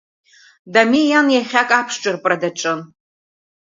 Дамеи иан иахьак аԥшҿырпра даҿын.